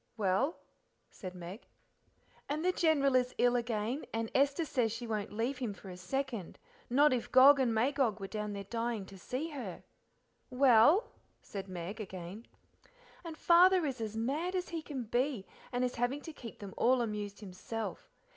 "Well?" said Meg. "And the General is ill again, and Esther says she won't leave him for a second, not if Gog and Magog were down there dying to see her." "Well?" said Meg again. "And Father is as mad as he can be, and is having to keep them all amused himself.